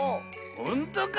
ほんとうか？